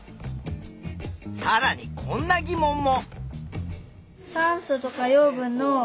さらにこんな疑問も！